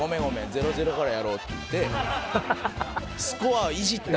０−０からやろう」って言ってスコアをいじった。